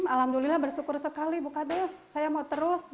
alhamdulillah bersyukur sekali buka des saya mau terus